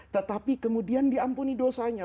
tetapi kemudian diampuni dosanya